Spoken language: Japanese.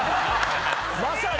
まさに！